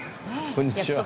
こんにちは。